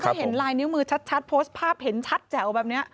ถ้าเห็นลายนิ้วมือชัดโพสต์ภาพเห็นชัดแจ๋วแบบนี้